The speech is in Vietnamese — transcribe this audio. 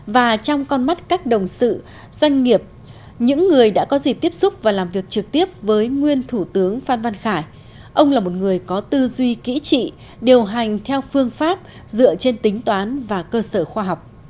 và trong con mắt các đồng sự doanh nghiệp những người đã có dịp tiếp xúc và làm việc trực tiếp với nguyên thủ tướng phan văn khải ông là một người có tư duy kỹ trị điều hành theo phương pháp dựa trên tính toán và cơ sở khoa học